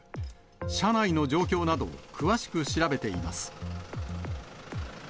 車内の状況などを詳しく調べています。